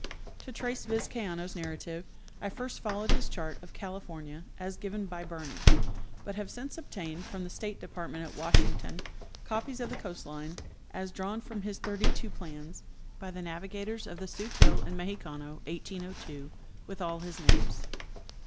239 To trace Vizcaino's narrative I first followed his chart of Cali fornia as given b}^ Bnrney ; but have since obtained from the State Department at Washington copies of the coast line, as drawn from his thirty two plans, by the navigators of the Sutil and Mexicano, 1802, with all his names.